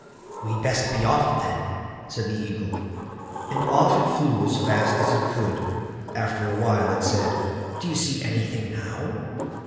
"We'd best be off then", said the Eagle; and off it flew as fast as it could. After a while it said: "Do you see anything now?"